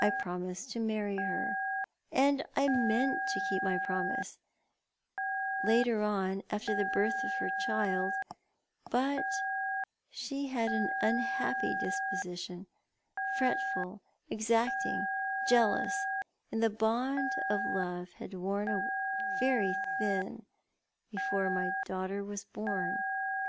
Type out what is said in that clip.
I promised to marry her, and I meant to keep my promise, later on, after the birth of her child ; but she had an unhappy disposition, fretful, exact ing, jealous, and the bond of love had worn very thin before my •daughter was born.